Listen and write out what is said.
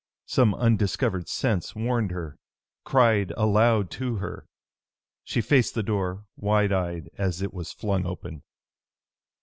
Some undiscovered sense warned her, cried aloud to her. She faced the door, wide eyed, as it was flung open.